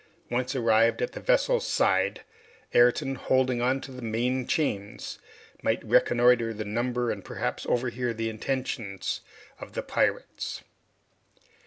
Once arrived at the vessel's side, Ayrton, holding on to the main chains, might reconnoiter the number and perhaps overhear the intentions of the pirates.